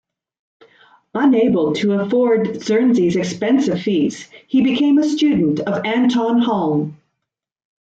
Unable to afford Czerny's expensive fees, he became a student of Anton Halm.